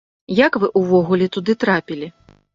Як вы ўвогуле туды трапілі?